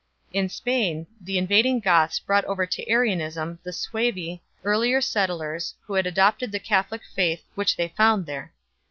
In Spain the invading Goths brought over to Arianism the Suevi, earlier settlers, who had adopted the Catholic faith which they found there.